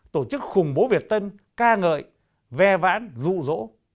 tổ chức khủng bố việt tân ca ngợi ve vãn rụ rỗ